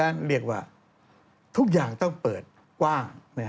เรียกว่าทุกอย่างต้องเปิดกว้าง